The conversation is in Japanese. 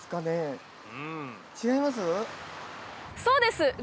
そうです